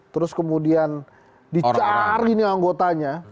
terus kemudian dicari nih anggotanya